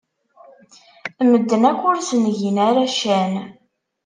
Medden akk ur sen-gin ara ccan.